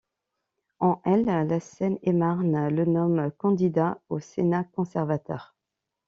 En l', la Seine-et-Marne le nomme candidat au Sénat conservateur.